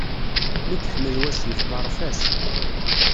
Mi iḥmel wasif, ḍeṛṛef-as.